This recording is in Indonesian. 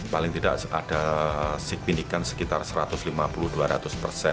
paling tidak ada sikpinikan sekitar satu ratus lima puluh dua ratus persen